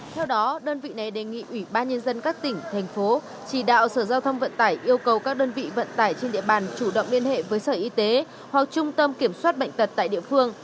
theo đó đơn vị này đề nghị ủy ban nhân dân các tỉnh thành phố chỉ đạo sở giao thông vận tải yêu cầu các đơn vị vận tải trên địa bàn chủ động liên hệ với sở y tế hoặc trung tâm kiểm soát bệnh tật tại địa phương